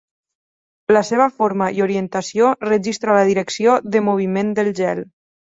La seva forma i orientació registra la direcció de moviment del gel.